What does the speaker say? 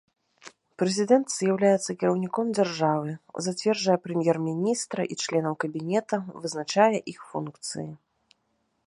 Прэзідэнт з'яўляецца кіраўніком дзяржавы, зацвярджае прэм'ер-міністра і членаў кабінета, вызначае іх функцыі.